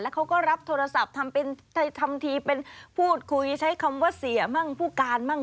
เขาก็รับโทรศัพท์ทำเป็นทำทีเป็นพูดคุยใช้คำว่าเสียมั่งผู้การมั่ง